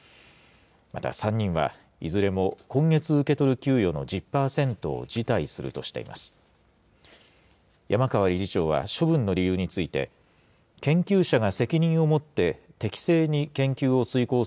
また３人は、いずれも今月受け取る給与の１０％を辞退するとしています。